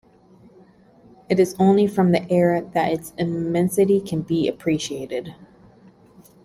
It is only from the air that its immensity can be appreciated.